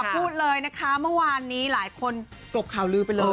พูดเลยไวร์วานนี้หลายคนกบข่าวลื้อไปเลย